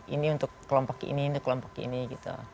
ini untuk kelompok ini untuk kelompok ini gitu